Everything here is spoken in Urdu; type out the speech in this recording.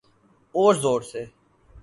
أور زور سے۔